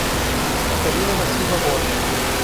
Catarina da Silva Rocha